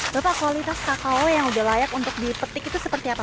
bapak kualitas kakao yang udah layak untuk dipetik itu seperti apa